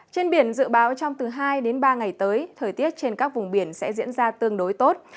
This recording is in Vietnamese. trên biển dự báo trong từ hai đến ba ngày tới thời tiết trên các vùng biển sẽ diễn ra tương đối tốt